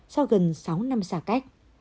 sau gần sáu năm xa cách